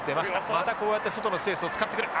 またこうやって外のスペースを使ってくる。